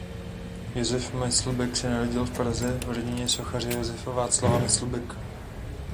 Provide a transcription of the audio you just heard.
Josef Myslbek se narodil v Praze v rodině sochaře Josefa Václava Myslbeka.